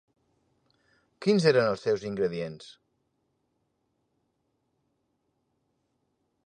Quins eren els seus ingredients?